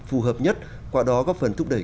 phù hợp nhất qua đó góp phần thúc đẩy